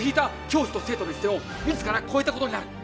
教師と生徒の一線を自ら越えたことになる